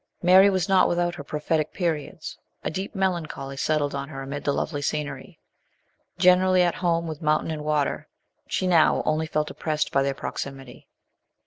Mary was not without her prophetic periods a deep melancholy settled on her amid the lovely scenery. Generally at home with mountain and water, she now only felt oppressed by their proxi mity.